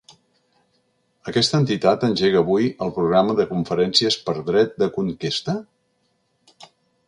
Aquesta entitat engega avui el programa de conferències Per dret de conquesta?